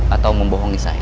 atau membohongi saya